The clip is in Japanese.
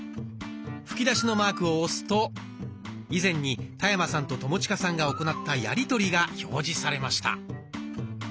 吹き出しのマークを押すと以前に田山さんと友近さんが行ったやり取りが表示されました。